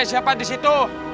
hei siapa disitu